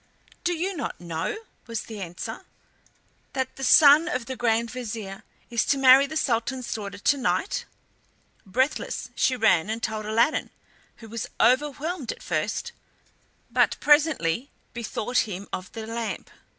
"Do you not know," was the answer, "that the son of the Grand Vizier is to marry the Sultan's daughter tonight?" Breathless she ran and told Aladdin, who was overwhelmed at first, but presently bethought him of the lamp.